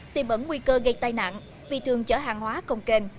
tìm ẩn nguy cơ gây tai nạn vì thường chở hàng hóa không kền